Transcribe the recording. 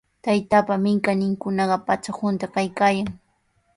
Taytaapa minkayninkunaqa patra hunta kaykaayan.